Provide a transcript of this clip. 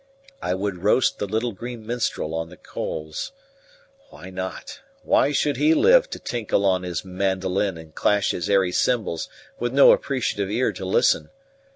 I would roast the little green minstrel on the coals. Why not? Why should he live to tinkle on his mandolin and clash his airy cymbals with no appreciative ear to listen?